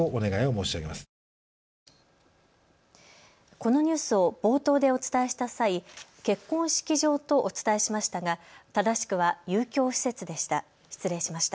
このニュースを冒頭でお伝えした際、結婚式場とお伝えしましたが正しくは遊興施設でした。